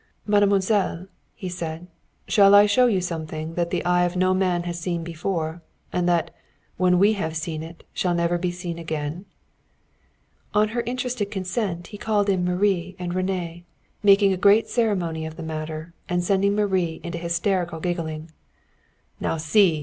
"Mademoiselle," he said, "shall I show you something that the eye of no man has seen before, and that, when we have seen it, shall never be seen again?" On her interested consent he called in Marie and René, making a great ceremony of the matter, and sending Marie into hysterical giggling. "Now see!"